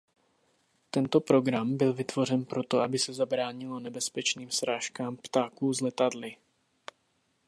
Tento program byl vytvořen proto aby se zabránilo nebezpečným srážkám ptáků s letadly.